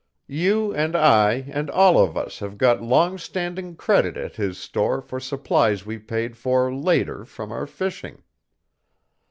You and I and all of us have got long standing credit at his store for supplies we paid for later from our fishing.